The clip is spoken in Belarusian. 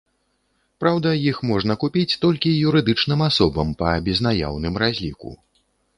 Праўда, іх можна купіць толькі юрыдычным асобам па безнаяўным разліку.